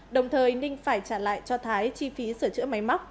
đồng thời ninh phải trả lại cho thái chi phí sửa chữa máy móc